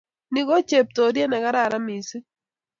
Ni ko cheptoriet ne kararan mising